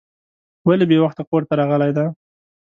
ولې بې وخته کور ته راغلی دی.